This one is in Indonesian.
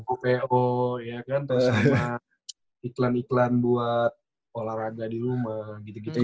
opo ya kan terus sama iklan iklan buat olahraga di rumah gitu gitu